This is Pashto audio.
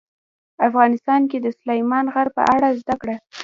افغانستان کې د سلیمان غر په اړه زده کړه.